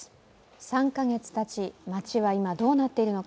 ３カ月たち、街は今どうなっているのか。